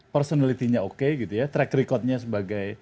personality nya oke gitu ya track record nya sebagai